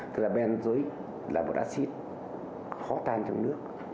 thực ra benzoic là một acid khó tan trong nước